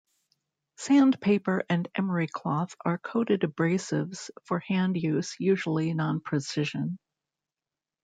Sandpaper and emery cloth are coated abrasives for hand use, usually non-precision.